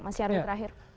mas yarni terakhir